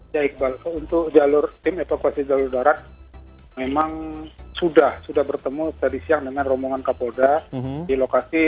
ya iqbal untuk jalur tim evakuasi jalur darat memang sudah sudah bertemu tadi siang dengan rombongan kapolda di lokasi